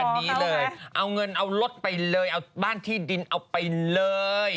อันนี้เลยเอาเงินเอารถไปเลยเอาบ้านที่ดินเอาไปเลย